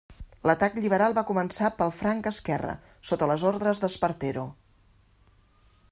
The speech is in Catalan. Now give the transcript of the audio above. L'atac liberal va començar pel flanc esquerre sota les ordes d'Espartero.